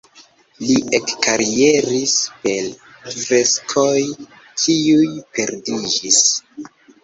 Li ekkarieris per freskoj, kiuj perdiĝis.